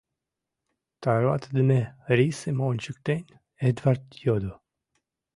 — тарватыдыме рисым ончыктен, Эдвард йодо.